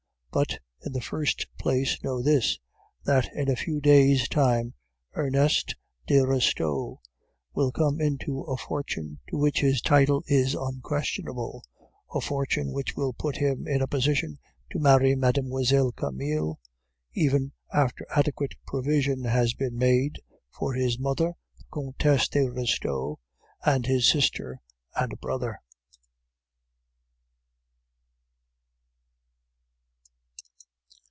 But, in the first place, know this that in a few days time Ernest de Restaud will come into a fortune to which his title is unquestionable, a fortune which will put him in a position to marry Mlle. Camille, even after adequate provision has been made for his mother the Comtesse de Restaud and his sister and brother."